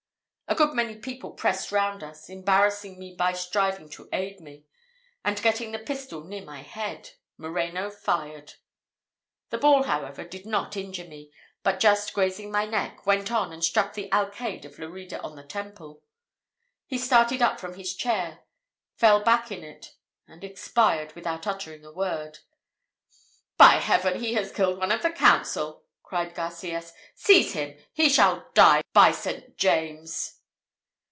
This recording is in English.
A good many people pressed round us, embarrassing me by striving to aid me; and getting the pistol near my head, Moreno fired. The ball, however, did not injure me, but just grazing my neck, went on, and struck the alcayde of Lerida on the temple. He started up from his chair fell back in it, and expired without uttering a word. "By Heaven, he has killed one of the council!" cried Garcias. "Seize him! He shall die, by St. James!"